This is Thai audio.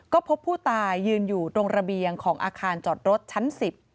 ก็พบผู้ตายยืนอยู่ตรงระเบียงของอาคารจอดรถชั้น๑๐